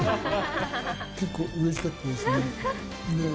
結構うれしかったですね。